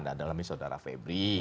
dan dalamnya saudara febri